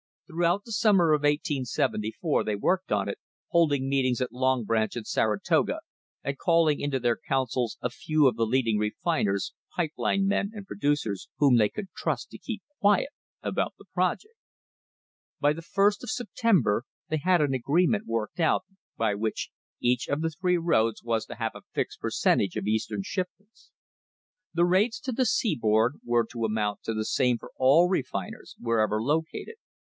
Throughout the summer of 1874 they worked on it, holding meetings at Long Branch and Saratoga and calling into their counsels a few of the leading refiners, pipe line men and producers whom they could trust to keep quiet about the project. By the first of September they had an agreement worked out by which each of the three roads was to have a fixed per centage of Eastern shipments. The rates to the seaboard were to amount to the same for all refiners wherever located.